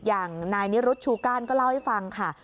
อย่างนายนิรุธชูก้านก็เล่าให้ฟังค่ะ